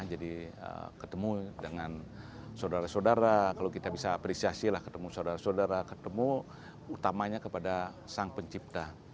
jadi ketemu dengan saudara saudara kalau kita bisa apresiasi ketemu saudara saudara ketemu utamanya kepada sang pencipta